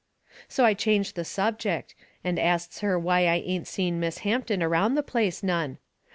So I changed the subject, and asts her why I ain't seen Miss Hampton around the place none.